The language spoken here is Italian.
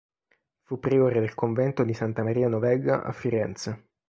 Fu priore del convento di Santa Maria Novella a Firenze.